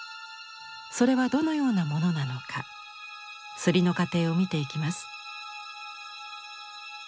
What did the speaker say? それはどのようなものなのか摺りの過程を見ていきます。